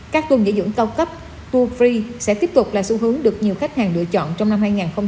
các tuần dễ dưỡng cao cấp tour free sẽ tiếp tục là xu hướng được nhiều khách hàng lựa chọn trong năm hai nghìn hai mươi ba